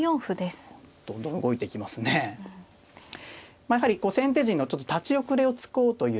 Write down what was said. まあやはりこう先手陣の立ち遅れを突こうという。